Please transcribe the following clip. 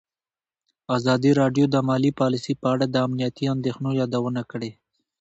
ازادي راډیو د مالي پالیسي په اړه د امنیتي اندېښنو یادونه کړې.